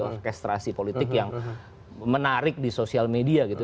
orkestrasi politik yang menarik di sosial media gitu